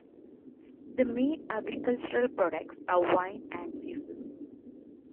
The main agricultural products are wine and cheeses.